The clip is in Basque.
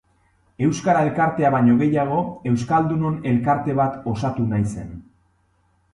Euskara elkartea baino gehiago, euskaldunon elkarte bat osatu nahi zen.